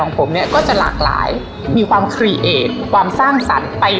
ผมเนี่ยก็จะหลากหลายมีความครีเอทความสร้างสรรค์ไป